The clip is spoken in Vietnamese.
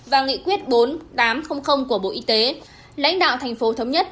và nghị quyết bốn nghìn tám trăm linh của bộ y tế lãnh đạo thành phố thống nhất